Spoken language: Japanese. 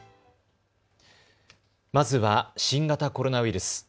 まずは新型コロナウイルス。